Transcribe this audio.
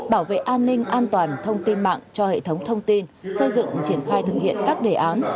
bảo vệ an ninh an toàn thông tin mạng cho hệ thống thông tin xây dựng triển khai thực hiện các đề án